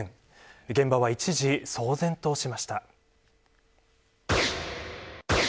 現場は一時騒然としました。